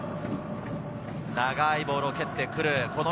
長いボールを蹴ってくる。